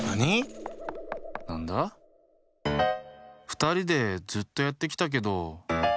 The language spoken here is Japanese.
ふたりでずっとやってきたけど。